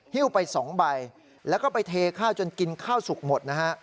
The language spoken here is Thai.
ฮิ้วไป๒ใบแล้วก็ไปเทข้าวจนกินข้าวสุกหมดนะฮะ